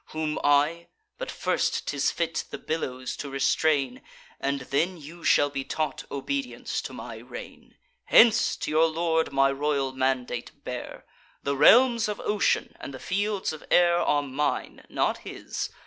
Whom I—but first 'tis fit the billows to restrain; And then you shall be taught obedience to my reign. Hence! to your lord my royal mandate bear, The realms of ocean and the fields of air Are mine, not his.